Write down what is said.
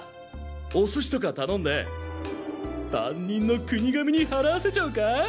お寿司とか頼んで担任の国上に払わせちゃうか？